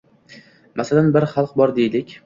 Masalan, bir xalq bor deylik.